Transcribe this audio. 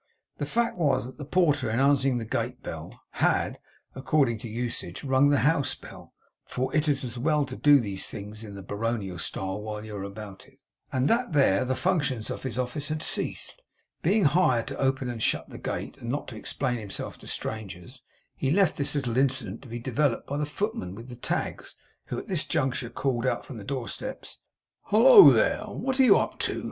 The fact was that the porter in answering the gate bell had, according to usage, rung the house bell (for it is as well to do these things in the Baronial style while you are about it), and that there the functions of his office had ceased. Being hired to open and shut the gate, and not to explain himself to strangers, he left this little incident to be developed by the footman with the tags, who, at this juncture, called out from the door steps: 'Hollo, there! wot are you up to?